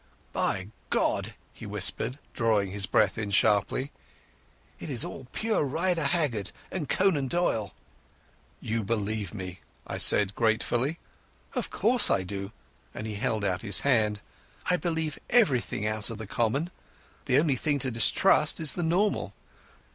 "By God!" he whispered, drawing his breath in sharply, "it is all pure Rider Haggard and Conan Doyle." "You believe me," I said gratefully. "Of course I do," and he held out his hand. "I believe everything out of the common. The only thing to distrust is the normal."